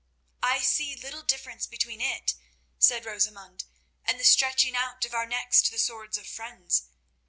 "I see little difference between it," said Rosamund, "and the stretching out of our necks to the swords of friends.